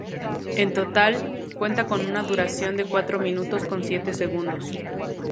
En total, cuenta con una duración de cuatro minutos con siete segundos.